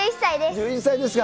１１歳ですか。